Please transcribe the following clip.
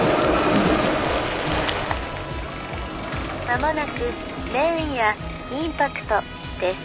「まもなく麺屋インパクトです」